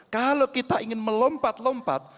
kalau kita ingin melompat lompat